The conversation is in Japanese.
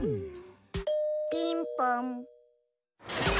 ピンポン。